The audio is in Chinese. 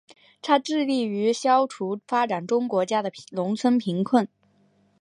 它致力于消除发展中国家的农村贫困。